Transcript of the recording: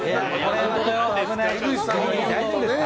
大丈夫ですか？